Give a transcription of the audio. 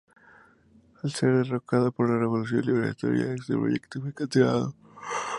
Al ser derrocado por la Revolución Libertadora, este proyecto fue cancelado.